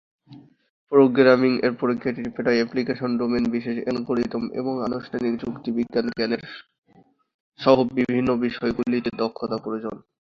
Programming এর প্রক্রিয়াটি প্রায়ই অ্যাপ্লিকেশন ডোমেন, বিশেষ অ্যালগরিদম এবং আনুষ্ঠানিক যুক্তিবিজ্ঞান জ্ঞানের সহ বিভিন্ন বিষয়গুলিতে দক্ষতা প্রয়োজন।